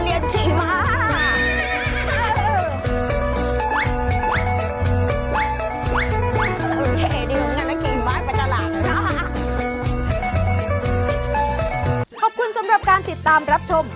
แล้วก็เดี๋ยวจะมาเรียนขี้บ้าน